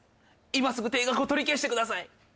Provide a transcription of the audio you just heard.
今すぐ停学を取り消してください